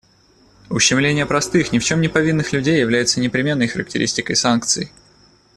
Ущемление простых, ни в чем не повинных людей является непременной характеристикой санкций.